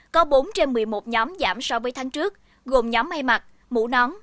có bốn trên một mươi một nhóm giảm so với tháng trước gồm nhóm may mặt mũ nón